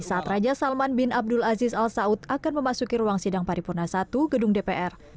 saat raja salman bin abdul aziz al saud akan memasuki ruang sidang paripurna i gedung dpr